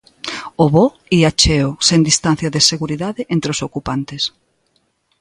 O voo ía cheo, sen distancia de seguridade entre os ocupantes.